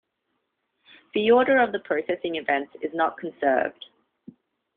The order of the processing events is not conserved.